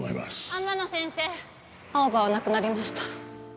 天野先生青葉は亡くなりました